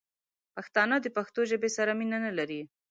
پښتانه دپښتو ژبې سره مینه نه لري